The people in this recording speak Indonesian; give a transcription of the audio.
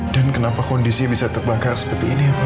dan kenapa kondisi bisa terbakar seperti ini pak